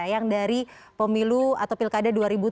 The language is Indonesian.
yang dari pemilu atau pilkada